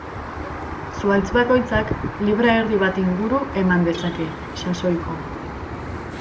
Zuhaitz bakoitzak libra erdi bat inguru eman dezake, sasoiko.